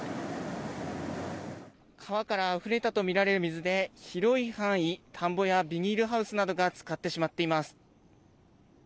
川からあふれたと見られる水で、広い範囲、田んぼやビニールハウスなどがつかってしまっています。